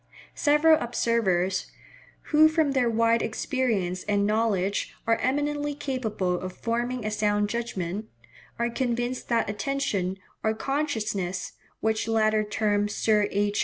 Several observers, who from their wide experience and knowledge are eminently capable of forming a sound judgment, are convinced that attention or consciousness (which latter term Sir H.